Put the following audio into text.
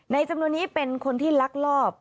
จำนวนนี้เป็นคนที่ลักลอบ